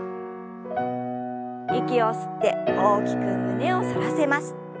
息を吸って大きく胸を反らせます。